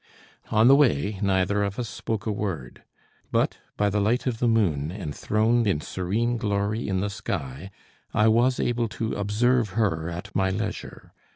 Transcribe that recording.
On the way neither of us spoke a word. But by the light of the moon, enthroned in serene glory in the sky, I was able to observe her at my leisure.